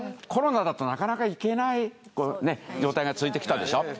コロナだとなかなか行けない状態が続いてきたでしょ。